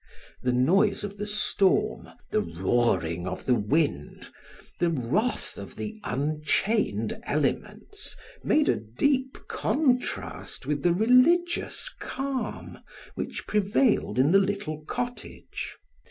The noise of the storm, the roaring of the wind, the wrath of the unchained elements, made a deep contrast with the religious calm which prevailed in the little cottage.